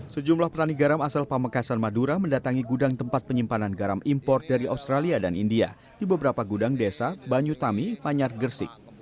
sejumlah petani garam asal pamekasan madura mendatangi gudang tempat penyimpanan garam impor dari australia dan india di beberapa gudang desa banyutami manyar gersik